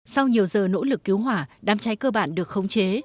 sau nhiều giờ nỗ lực cứu hỏa đám cháy cơ bản được khống chế